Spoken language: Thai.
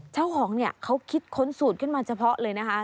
เจ้าของเนี่ยเขาคิดค้นสูตรขึ้นมาเฉพาะเลยนะคะ